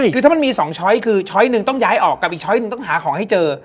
คือถ้ามันมี๒ช้อยคือช้อยหนึ่งต้องย้ายออกกับอีกช้อยหนึ่งต้องหาของให้เจอ